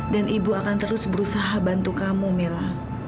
ibu akan terus berusaha bantu kamu mila